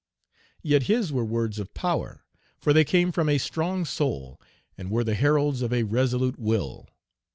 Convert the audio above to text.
Yet his were words of power, for they came from a strong soul and were the heralds of a resolute will.